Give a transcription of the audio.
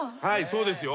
そうですよ。